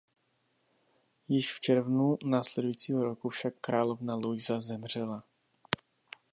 Již v červnu následujícího roku však královna Luisa zemřela.